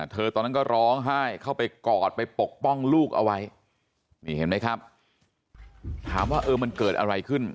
ตอนนั้นก็ร้องไห้เข้าไปกอดไปปกป้องลูกเอาไว้นี่เห็นไหมครับถามว่าเออมันเกิดอะไรขึ้น